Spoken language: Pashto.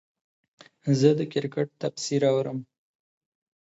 زه د کرکټ تفسیر اورم.